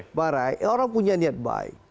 mbak re orang punya niat baik